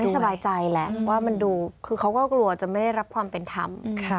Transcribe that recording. สบายใจแหละว่ามันดูคือเขาก็กลัวจะไม่ได้รับความเป็นธรรม